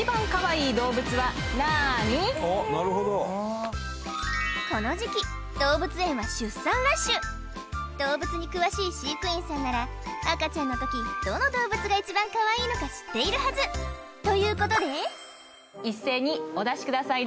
あっなるほどこの時期動物園は出産ラッシュ動物に詳しい飼育員さんなら赤ちゃんの時どの動物が一番かわいいのか知っているはずということで一斉にお出しください